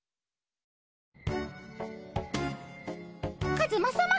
カズマさま